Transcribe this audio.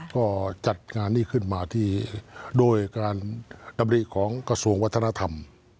ก็จัดงานนี้ขึ้นมาที่โดยการดำรีของกระทรวงวัฒนธรรม